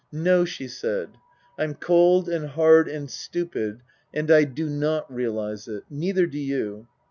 "No," she said. "I'm cold and hard and stupid, and I do not realize it. Neither do you.